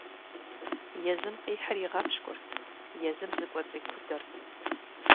Езым къихьыр игъэпщкӀурт, езым зыкӀуэцӀикудэрт.